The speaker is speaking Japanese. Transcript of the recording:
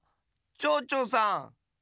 ちょうちょうさん！